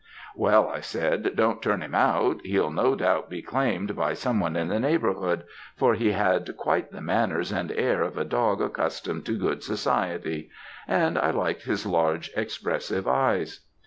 "'Well,' I said, 'don't turn him out; he'll no doubt be claimed by some one in the neighbourhood for he had quite the manners and air of a dog accustomed to good society; and I liked his large, expressive eyes.